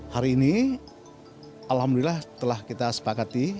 hari ini alhamdulillah telah kita sepakati